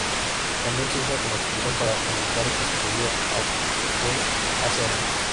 Tambien se usa como expresión... para indicar que sucedió o fue hace años.